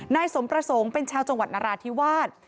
นายสมประสงค์เป็นชาวจังหวัดนราธิวาส